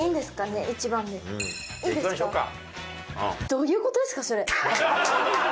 「どういう事ですか？」。